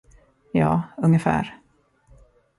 Ja, ungefär.